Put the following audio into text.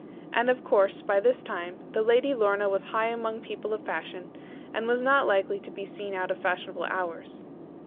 And of course by this time, the Lady Lorna was high among people of fashion, and was not likely to be seen out of fashionable hours.